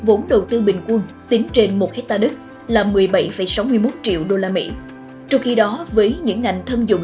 vốn đầu tư bình quân tính trên một hectare đất là một mươi bảy sáu mươi một triệu usd trong khi đó với những ngành thân dụng